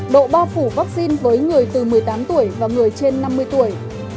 độ bao phủ vaccine với người từ một mươi tám tuổi và người trên năm mươi tuổi